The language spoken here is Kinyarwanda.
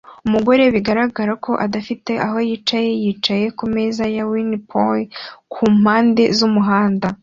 Umugore bigaragara ko adafite aho yicara yicaye ku meza ya Winnie Pooh kumpande z'umuhanda